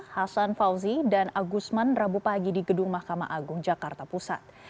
hasan fauzi dan agusman rabu pagi di gedung mahkamah agung jakarta pusat